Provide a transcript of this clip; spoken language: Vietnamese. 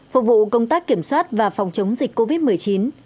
phục vụ công tác kiểm soát và phòng chống dịch covid một mươi chín